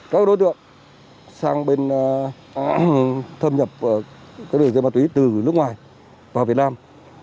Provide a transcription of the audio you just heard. các đối tượng sang bên thâm nhập các đường dây ma túy từ nước ngoài vào việt nam